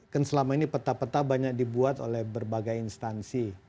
kan selama ini peta peta banyak dibuat oleh berbagai instansi